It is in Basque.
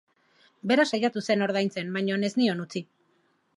Bera saiatu zen ordaintzen, baina ez nion utzi.